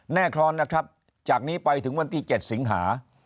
แน่นอนนะครับจากนี้ไปถึงวันที่๗สิงหา